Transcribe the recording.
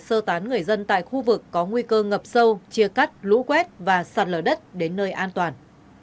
sơ tán người dân tại khu vực có nguy cơ ngập sâu chia cắt lũ quét và sạt lở đất đến nơi an toàn